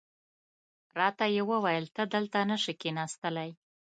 راته یې وویل ته دلته نه شې کېناستلای.